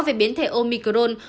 về biến thể omicron